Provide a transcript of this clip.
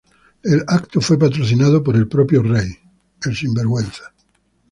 El evento fue patrocinado por el propio Rey.